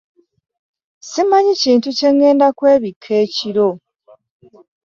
Simanyi kintu kyengenda kwebika ekiro.